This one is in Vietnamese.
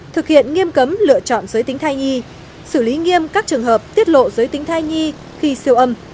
thực hiện nghiêm cấm lựa chọn giới tính thai nhi xử lý nghiêm các trường hợp tiết lộ giới tính thai nhi khi siêu âm